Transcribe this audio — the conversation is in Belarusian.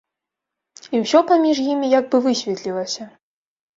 І ўсё паміж імі як бы высветлілася.